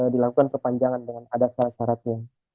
dilakukan perpanjangan dengan ada syarat syaratnya